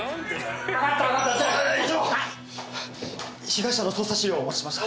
被害者の捜査資料をお持ちしました。